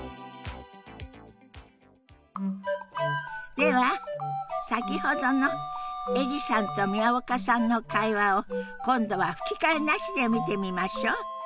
では先ほどのエリさんと宮岡さんの会話を今度は吹き替えなしで見てみましょう。